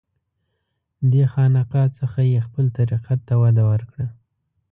دې خانقاه څخه یې خپل طریقت ته وده ورکړه.